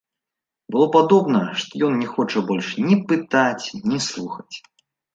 Было падобна, што ён не хоча больш ні пытаць, ні слухаць.